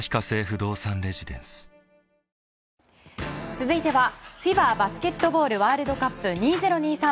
続いてはＦＩＢＡバスケットボールワールドカップ２０２３。